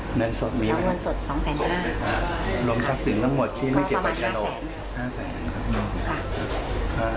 เอาเงินสด๒๕๐๐บาทหลวงทรัพย์สินทั้งหมดก็ประมาณ๕๐๐๐บาท